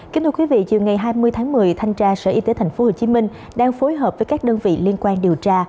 kính thưa quý vị chiều ngày hai mươi tháng một mươi thanh tra sở y tế tp hcm đang phối hợp với các đơn vị liên quan điều tra